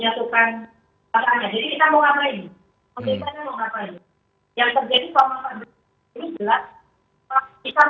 yang terjadi sama ini adalah